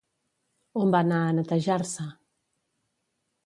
On va anar a netejar-se?